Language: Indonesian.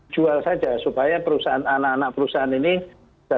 jual saja supaya perusahaan anak anak perusahaan ini bisa tetap beroperasi dengan sehat